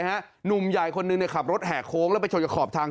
หนุ่มใหญ่คนหนึ่งขับรถแห่โค้งแล้วไปชนกับขอบทาง